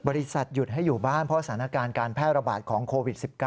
หยุดให้อยู่บ้านเพราะสถานการณ์การแพร่ระบาดของโควิด๑๙